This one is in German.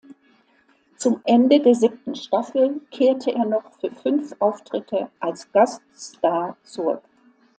Zum Ende der siebten Staffel kehrte er noch für fünf Auftritte als Gaststar zurück.